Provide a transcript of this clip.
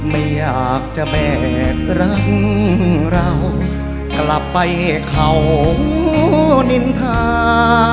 ไม่อยากจะแบกรักเรากลับไปเขานินทา